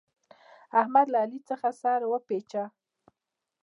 احمد له علي څخه سر وپېچه.